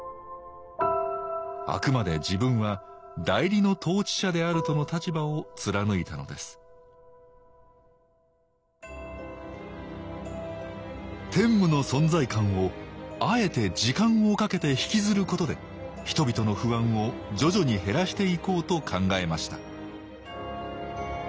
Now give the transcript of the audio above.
あくまで自分は代理の統治者であるとの立場を貫いたのです天武の存在感をあえて時間をかけてひきずることで人々の不安を徐々に減らしていこうと考えました